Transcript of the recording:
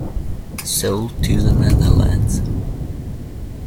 Sold to the Netherlands.